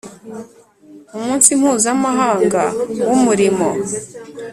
Umunsi Mpuzamahanga w Umurimo